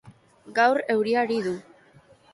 Gaur euria ari du